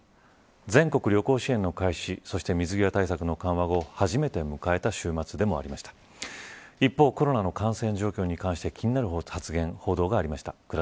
全国旅行支援の開始そして水際対策の緩和後初めて迎えた週末でもありました一方、コロナの感染状況に感じて気になる発言